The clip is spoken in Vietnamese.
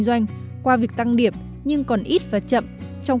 là quy luật phát triển